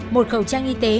một khẩu trang y tế